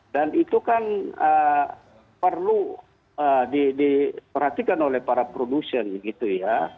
dan itu kan perlu diperhatikan oleh para produsen gitu ya